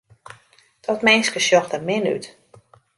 Dat minske sjocht der min út.